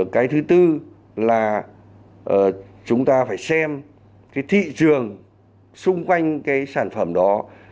cái thứ tư là chúng ta phải xem cái thị trường xung quanh cái sản phẩm đó